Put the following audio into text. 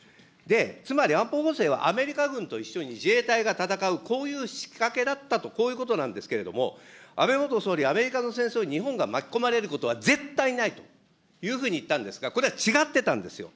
つまり安保法制は、アメリカ軍と一緒に自衛隊が戦う、こういう仕掛けだったと、こういうことなんですけども、安倍元総理、アメリカの戦争、日本が巻き込まれることは絶対にないというふうに言ったんですが、これは違ってたんですよ。